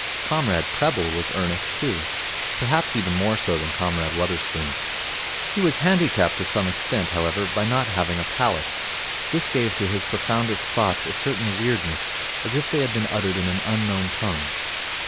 Comrade Prebble was earnest, too. Perhaps even more so than Comrade Wotherspoon. He was handicapped to some extent, however, by not having a palate. This gave to his profoundest thoughts a certain weirdness, as if they had been uttered in an unknown tongue.